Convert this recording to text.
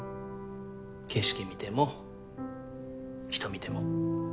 景色見ても人見ても。